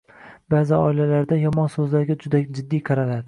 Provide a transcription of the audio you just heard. Baʼzi oilalarda “yomon so‘zlarga” juda jiddiy qaraladi